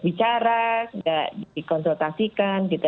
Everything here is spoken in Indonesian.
bicara nggak dikonsultasikan